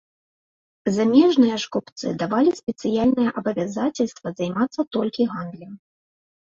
Замежныя ж купцы давалі спецыяльнае абавязацельства займацца толькі гандлем.